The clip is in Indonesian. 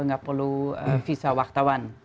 tidak perlu visa wartawan